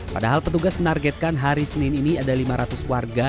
padahal petugas menargetkan hari senin ini ada lima ratus warga